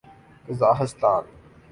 Kazakhstan